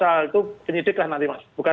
itu penyidik lah nanti mas